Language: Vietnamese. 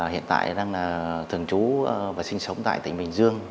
hiện tại đang là thường trú và sinh sống tại tỉnh bình dương